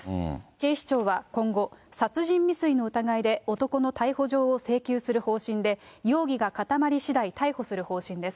警視庁は今後、殺人未遂の疑いで男の逮捕状を請求する方針で、容疑が固まり次第、逮捕する方針です。